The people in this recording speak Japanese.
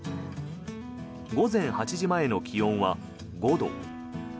午前８時前の気温は５度。